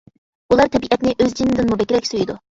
ئۇلار تەبىئەتنى ئۆز جىنىدىنمۇ بەكرەك سۆيىدۇ.